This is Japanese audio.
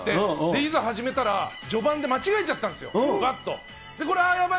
いざ、始めたら序盤で間違えてしまったんですよ。